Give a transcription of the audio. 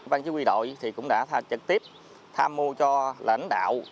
ban chứa quy đội cũng đã trực tiếp tham mô cho lãnh đạo